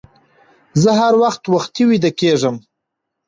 زه هر وخت وختي ويده کيږم